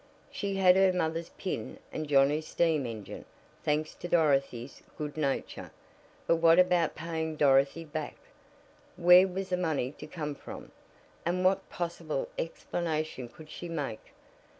She had her mother's pin and Johnnie's steam engine, thanks to Dorothy's good nature, but what about paying Dorothy back? Where was the money to come from, and what possible explanation could she make?